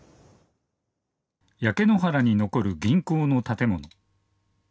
焼け野原に残る銀行の建物。